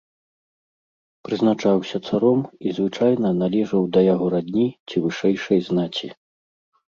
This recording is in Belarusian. Прызначаўся царом і звычайна належаў да яго радні ці вышэйшай знаці.